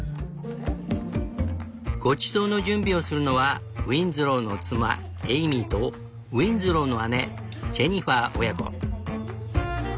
ごちそうの準備をするのはウィンズローの妻エイミーとウィンズローの姉ジェニファー親子。